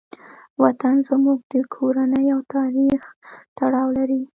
وطن زموږ د کورنۍ او تاریخ تړاو لري.